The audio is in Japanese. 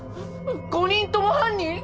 ５人とも犯人！？